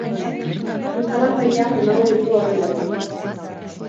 Instalatzaileak emango dizu horren berri.